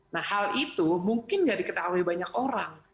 nah hal itu mungkin nggak diketahui banyak orang